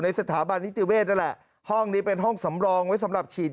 สถาบันนิติเวศนั่นแหละห้องนี้เป็นห้องสำรองไว้สำหรับฉีด